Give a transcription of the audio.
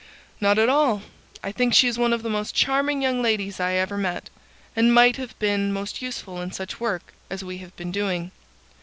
"Not at all. I think she is one of the most charming young ladies I ever met, and might have been most useful in such work as we have been doing.